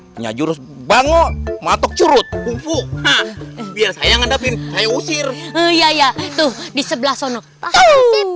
punya jurus bango matok curut umpu biar saya ngadepin saya usir iya tuh di sebelah sono itu